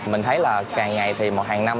mình thấy là càng ngày thì một hàng năm